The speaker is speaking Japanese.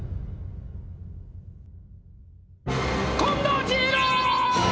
近藤千尋！